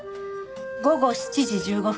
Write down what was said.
午後７時１５分